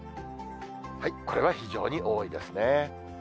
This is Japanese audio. これは非常に多いですね。